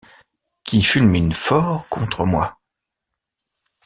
Qui fulmine fort contre moi.